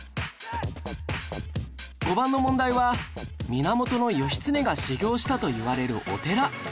５番の問題は源義経が修行したといわれるお寺